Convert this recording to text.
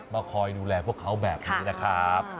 คอยดูแลพวกเขาแบบนี้นะครับ